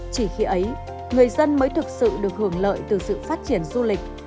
chỉ khi ấy người dân mới thực sự được hưởng lợi từ sự phát triển du lịch